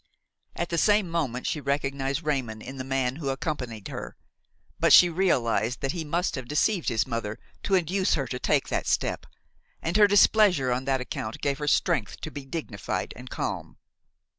At the same moment she recognized Raymon in the man who accompanied her; but she realized that he must have deceived his mother to induce her to take that step, and her displeasure on that account gave her strength to be dignified and calm.